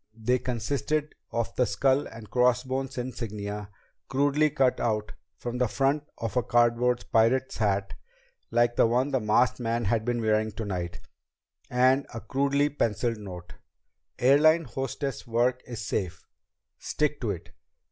They consisted of the skull and crossbones insignia crudely cut from the front of a cardboard pirate's hat, like the one the masked man had been wearing tonight, and a crudely penciled note: "_Airline hostess work is safe! Stick to it!